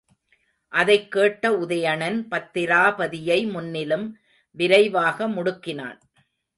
அதைக் கேட்ட உதயணன் பத்திராபதியை முன்னிலும் விரைவாக முடுக்கினான்.